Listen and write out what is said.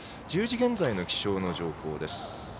１０時現在の気象の情報です。